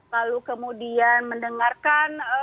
lalu kemudian mendengarkan